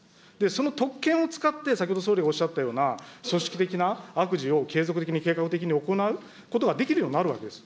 その特権を使って先ほど総理がおっしゃったような、組織的な悪事を継続的に、計画的に行うことができるようになるわけです。